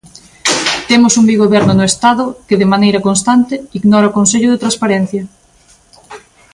Temos un bigoberno no Estado que, de maneira constante, ignora o Consello de Transparencia.